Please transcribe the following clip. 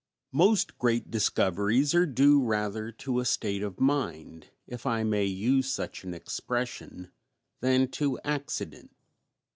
_ Most great discoveries are due rather to a state of mind, if I may use such an expression, than to accident.